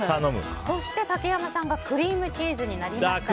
そして竹山さんがクリームチーズになりました。